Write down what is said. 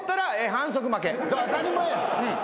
当たり前や！